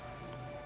kamu bisa berubah